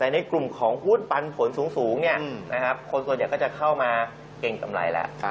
ในกลุ่มของหุ้นปันผลสูงคนส่วนใหญ่ก็จะเข้ามาเก่งกำไรแล้ว